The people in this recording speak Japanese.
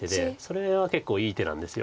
それは結構いい手なんです。